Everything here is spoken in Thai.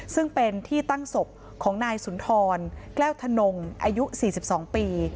ซึ่งเป็นที่ตั้งศพของนายสุนทรแก้วธนงอายุ๔๒ปี